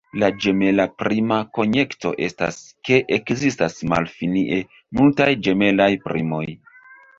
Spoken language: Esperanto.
La ĝemela prima konjekto estas, ke ekzistas malfinie multaj ĝemelaj primoj.